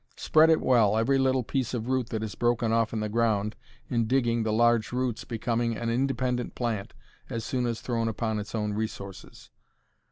Spread it will, every little piece of root that is broken off in the ground in digging the large roots becoming an independent plant as soon as thrown upon its own resources.